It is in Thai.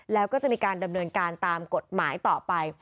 แล้วก็จะมีการดำเนินการตามกฎหมายต่อไป